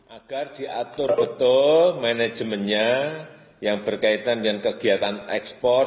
agar diatur betul manajemennya yang berkaitan dengan kegiatan ekspor